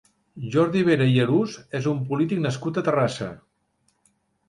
Jordi Vera i Arús és un polític nascut a Terrassa.